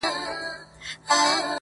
کيږي او ژورېږي,